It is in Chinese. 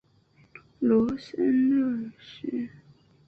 罗桑日是瑞士联邦西部法语区的沃州下设的一个镇。